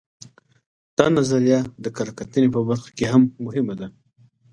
دا نظریه د کره کتنې په برخه کې هم مهمه ده